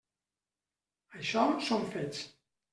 Això són fets.